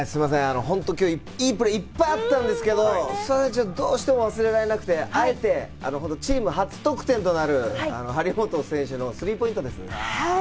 ホント今日いいプレーいっぱいあったんですけど、どうしても忘れられなくて、あえてチーム初得点となる張本選手のスリーポイントです。